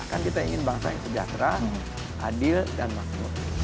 kan kita ingin bangsa yang sejahtera adil dan makmur